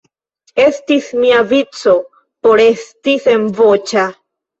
Estis mia vico por esti senvoĉa.